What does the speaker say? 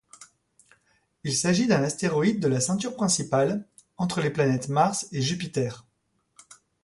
Il s’agit d’un astéroïde de la ceinture principale, entre les planètes Mars et Jupiter.